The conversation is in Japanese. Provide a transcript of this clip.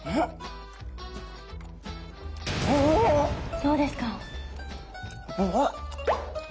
どうですか？